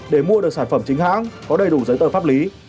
để mua được sản phẩm chính hãng có đầy đủ giấy tờ pháp lý